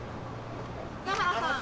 篠原さん